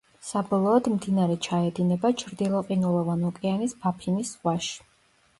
საბოლოოდ მდინარე ჩაედინება ჩრდილო ყინულოვან ოკეანის ბაფინის ზღვაში.